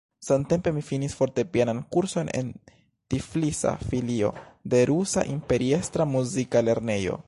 Samtempe mi finis fortepianan kurson en Tiflisa filio de "Rusa Imperiestra muzika lernejo".